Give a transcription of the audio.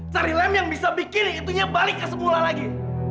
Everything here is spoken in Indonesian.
carilam yang bisa bikin itunya balik ke semula lagi